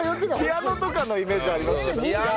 ピアノとかのイメージはありますけど。